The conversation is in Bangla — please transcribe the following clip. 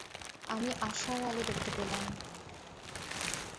আমি আশার আলো দেখতে পেলাম।